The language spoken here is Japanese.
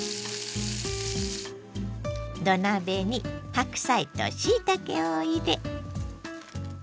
土鍋に白菜としいたけを入れ。